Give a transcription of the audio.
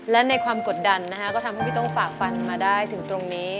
และในความกดดันนะคะก็ทำให้พี่ต้องฝากฟันมาได้ถึงตรงนี้